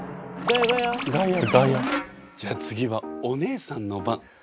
じゃあ次はお姉さんの番。